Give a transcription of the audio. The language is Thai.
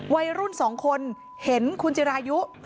วัยรุ่น๒คนเห็นคุณจิรายุ